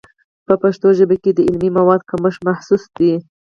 په پښتو ژبه کې د علمي موادو کمښت محسوس دی.